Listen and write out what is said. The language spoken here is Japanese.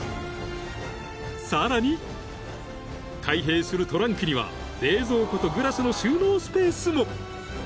［さらに開閉するトランクには冷蔵庫とグラスの収納スペースも］